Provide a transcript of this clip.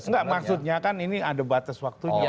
enggak maksudnya kan ini ada batas waktunya